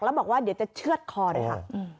แล้วบอกว่าเดี๋ยวจะเชื่อดคอด้วยค่ะ